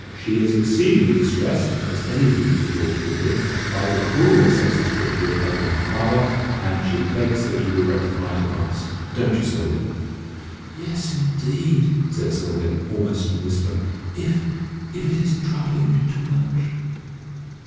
She is exceedingly distressed (as any dutiful daughter would be) by the cruel and senseless trick you have played her father, and she begs that you will rectify it at once. Don't you, Sylvia?" "Yes, indeed!" said Sylvia, almost in a whisper, "if if it isn't troubling you too much!"